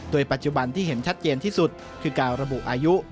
โดยปัจจุบันที่เห็นชัดเจนที่สุดคือการระบุอายุ